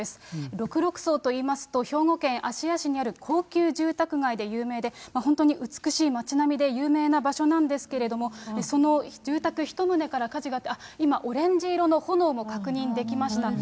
六麓荘といいますと、兵庫県芦屋市にある高級住宅街で有名で、本当に美しい町並みで有名な場所なんですけれども、その住宅１棟から火事が、今、オレンジ色の炎も確認できました。